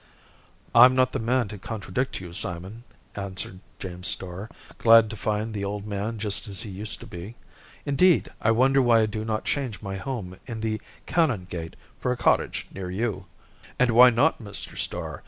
"I'm not the man to contradict you, Simon," answered James Starr, glad to find the old man just as he used to be. "Indeed, I wonder why I do not change my home in the Canongate for a cottage near you." "And why not, Mr. Starr?